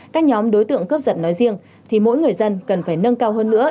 các nhóm đối tượng cướp giật nói riêng thì mỗi người dân cần phải nâng cao hơn nữa